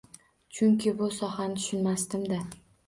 Chunki bu sohani tushunmasdim-da.